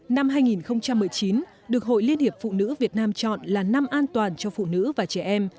năm hai nghìn một mươi chín được hội liên hiệp phụ nữ việt nam chọn là năm an toàn cho phụ nữ và trẻ em